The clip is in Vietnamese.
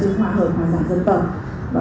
đấy là chủ trương hoa hợp hoa giả dân tộc